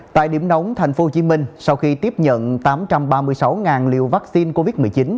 tại điểm nóng thành phố hồ chí minh sau khi tiếp nhận tám trăm ba mươi sáu liều vaccine covid một mươi chín